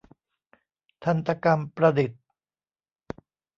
ทันตกรรมประดิษฐ์